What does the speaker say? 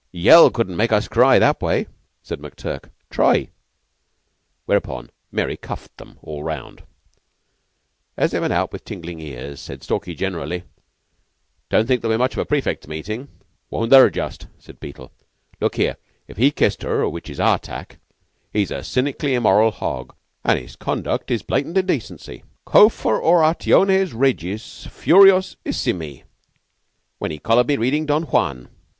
Yell couldn't make us cry that way," said McTurk. "Try." Whereupon Mary cuffed them all round. As they went out with tingling ears, said Stalky generally, "Don't think there'll be much of a prefects' meeting." "Won't there, just!" said Beetle. "Look here. If he kissed her which is our tack he is a cynically immoral hog, and his conduct is blatant indecency. Confer orationes Regis furiosissimi, when he collared me readin' 'Don Juan.